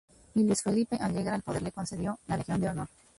Y Luis Felipe, al llegar al poder le concedió la Legión de Honor.